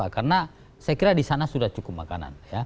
karena saya kira di sana sudah cukup makanan